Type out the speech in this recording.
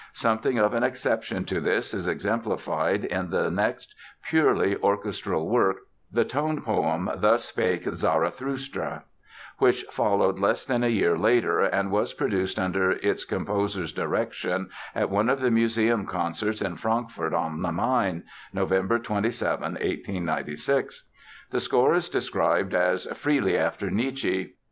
Something of an exception to this is exemplified in the next purely orchestral work, the tone poem Thus Spake Zarathustra, which followed less than a year later and was produced under its composer's direction at one of the Museum concerts in Frankfurt on the Main, November 27, 1896. The score is described as "freely after Nietzsche".